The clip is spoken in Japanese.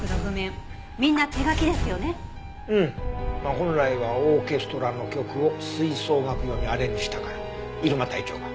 本来はオーケストラの曲を吹奏楽用にアレンジしたから入間隊長が。